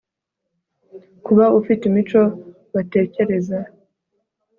kuba ufite imico batekereza